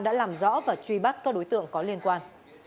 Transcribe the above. đã làm rõ và truy bắt các đối tượng có liên quan